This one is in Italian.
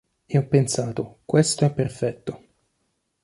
E ho pensato: "Questo è perfetto".